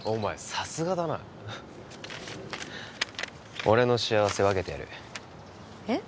さすがだな俺の幸せ分けてやるえっ？